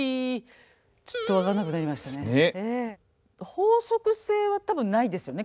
法則性は多分ないですよね